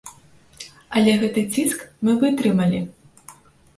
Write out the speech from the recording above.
Але гэты ціск мы вытрымалі!